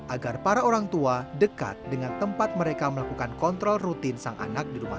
agar para orang tua dekat dengan tempat mereka melakukan kontrol rutin sang anak di rumah